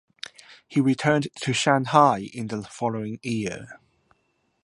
He returned to Shanghai in the following year.